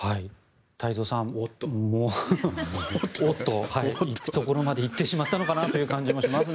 太蔵さん行くところまで行ってしまったのかなという感じもしますね。